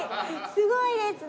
すごいですね。